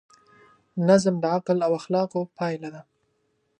نظم د عقل او اخلاقو پایله ده.